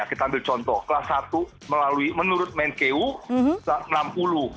kita ambil contoh kelas satu melalui menurut menkeu kelas enam puluh